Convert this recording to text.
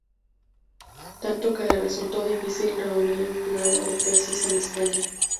Tanto, que le resultó difícil reunir un jurado de tesis en España.